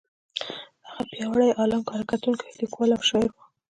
هغه پیاوړی عالم، کره کتونکی، لیکوال او شاعر و.